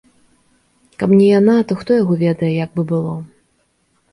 Каб не яна, то хто яго ведае, як бы было.